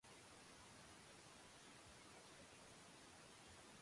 モルビアン県の県都はヴァンヌである